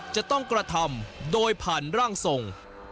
จะต้องกระทำโดยผ่านร่างทรง